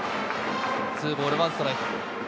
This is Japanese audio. ２ボール１ストライク。